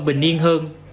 bình yên hơn